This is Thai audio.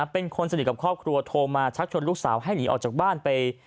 เป็นคนสนิทกับครอบครัวโทรมาชักชวนลูกสาวให้หนีออกจากบ้านไป